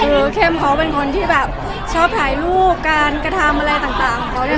คือเข้มเขาเป็นคนที่แบบชอบถ่ายรูปการกระทำอะไรต่างของเขาด้วย